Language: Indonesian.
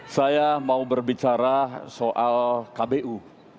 saya mau berbicara soal kbu